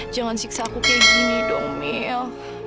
jangan siksa aku kayak gini dong mil